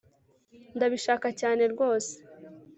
ndabishaka cyane rwose